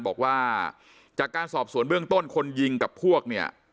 บอกว่าจากการสอบสวนเบื้องต้นคนยิงกับพวกเนี่ย